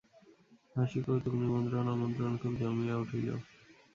হাসিকৌতুক নিমন্ত্রণ-আমন্ত্রণ খুব জমিয়া উঠিল।